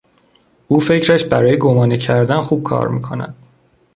او فکرش برای گمانه کردن خوب کار میکند.